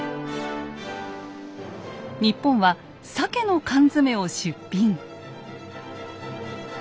日本はサケの缶詰を出品。